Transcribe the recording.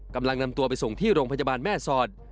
กำลังนำตัวไปส่งที่โรงพยาบาลแม่สอด